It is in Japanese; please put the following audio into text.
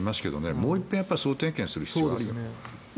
もう一遍総点検する必要がありますね。